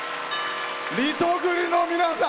リトグリの皆さん